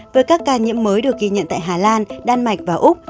với các ca nhiễm mới được ghi nhận tại hà lan đan mạch và úc